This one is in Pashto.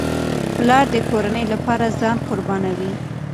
پلار د کورنۍ لپاره ځان قربانوي.